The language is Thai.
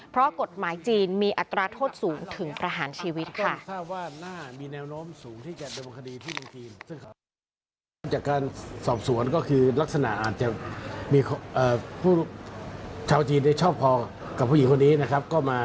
เพราะกฎหมายจีนมีอัตราโทษสูงถึงประหารชีวิตค่ะ